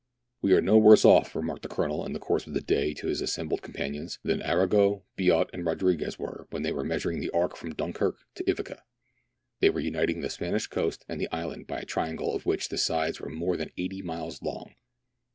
"We are no worse off," remarked the Colonel in the course of the day to his assembled companions, "than Arago, Biot, and Rodriguez were when they were measuring the arc from Dunkirk to Ivica : they were uniting the Spanish coast and the island by a triangle of which the sides were more than eighty miles long.